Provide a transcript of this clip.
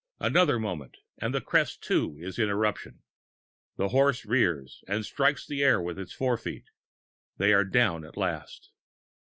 Another moment and that crest too is in eruption. The horse rears and strikes the air with its forefeet. They are down at last.